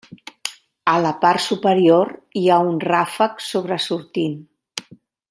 A la part superior hi ha un ràfec sobresortint.